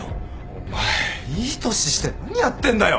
お前いい年して何やってんだよ。